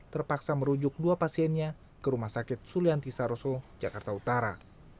terpaksa merujuk dua pasiennya ke rumah sakit sulianti saroso jakarta utara